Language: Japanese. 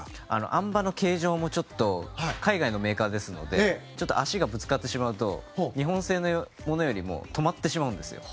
あん馬の形状もちょっと海外のメーカーですのでちょっと足がぶつかってしまうと日本製のものよりも止まってしまうんですよ。